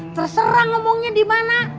terserah ngomongnya di mana